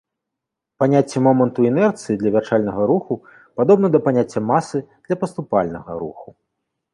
Паняцце моманту інерцыі для вярчальнага руху падобна да паняцця масы для паступальнага руху.